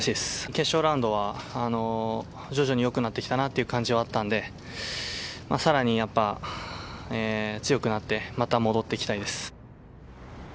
決勝ラウンドは、徐々によくなってきたなという感じはあったので更に強くなって、また戻ってきたいです。